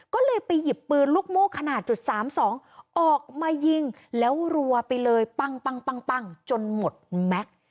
ก็เลยไปหยิบปืนลูกโม่ขนาดจุด๓๒ออกมายิงแล้วรัวไปเลยปังจนหมดแม็กซ์